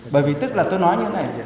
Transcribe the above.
bởi vì tức là tôi nói như thế này